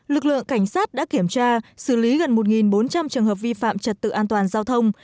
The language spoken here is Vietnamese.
lực lượng cảnh sát đã kiểm tra xử lý gần một bốn trăm linh trường hợp vi phạm trật tự an toàn giao thông